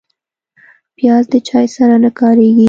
پیاز د چای سره نه کارېږي